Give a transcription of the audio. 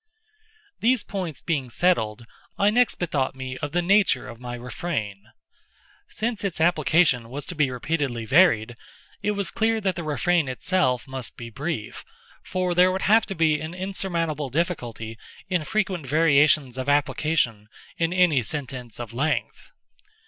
These points being settled, I next bethought me of the natureof my refrain. Since its application was to be repeatedly varied, it was clear that the refrain itself must be brief, for there would have been an insurmountable difficulty in frequent variations of application in any sentence of length.